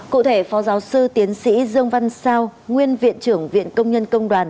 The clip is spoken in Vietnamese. cụ thể phó giáo sư tiến sĩ dương văn sao nguyên viện trưởng viện công nhân công đoàn